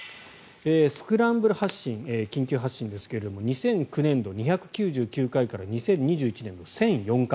スクランブル発進緊急発進ですが２００９年度、２９９回から２０２１年は１００４回。